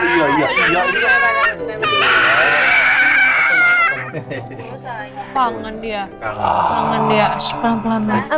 pangan dia pangan dia pelan pelan